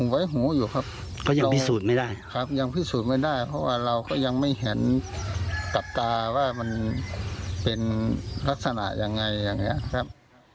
ว่ามันเป็นลักษณะยังไงยังไงครับ